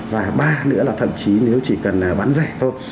và ba nữa là thậm chí nếu chỉ cần bán rẻ thôi